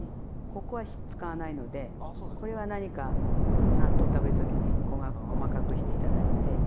ここは使わないのでこれは何か納豆食べる時に細かくして頂いて。